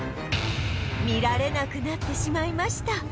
見られなくなってしまいました